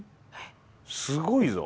すごいぞ。